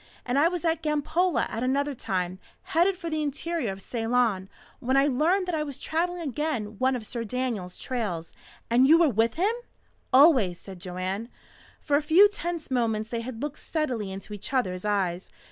And I was at Gampola at another time, headed for the interior of Ceylon, when I learned that I was travelling again one of Sir Daniel's trails. And you were with him!" "Always," said Joanne. For a few tense moments they had looked steadily into each other's eyes.